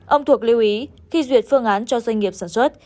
ông thuộc lưu ý khi duyệt phương án cho doanh nghiệp sản xuất